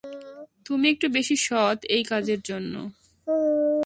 তুমি একটু বেশি সৎ এই কাজের জন্য।